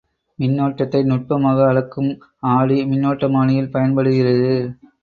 மின்னோட்டத்தை நுட்பமாக அளக்கும் ஆடி மின்னோட்டமானியில் பயன்படுகிறது.